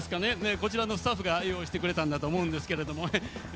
こちらのスタッフが用意してくれたんだと思うんですけれども。